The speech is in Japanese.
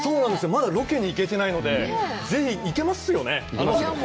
まだロケに行けてないので是非行けますよね？